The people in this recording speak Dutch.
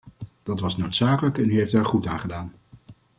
Dat was noodzakelijk en u heeft daar goed aan gedaan.